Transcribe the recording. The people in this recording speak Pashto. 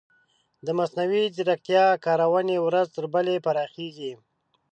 د مصنوعي ځیرکتیا کارونې ورځ تر بلې پراخیږي.